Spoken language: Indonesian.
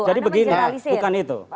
jadi begini bukan itu